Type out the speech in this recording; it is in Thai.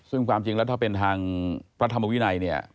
ซึ่งความจริงแล้วถ้าเป็นทางพระธรรมวินัยเนี่ย